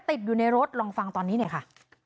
ติดอยู่ในรถลองฟังตอนนี้หน่อยค่ะ